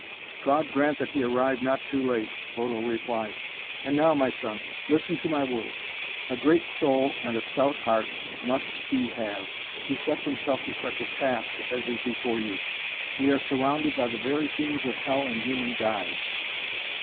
"God grant that he arrive not too late," Odo replied. "And now, my son, listen to my words. A great soul and a stout heart must he have who sets himself to such a task as is before you! We are surrounded by the very fiends of Hell in human guise.